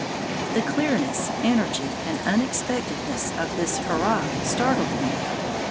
The clearness, energy, and unexpectedness of his "Hurrah" startled me.